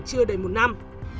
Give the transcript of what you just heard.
chưa đầy một năm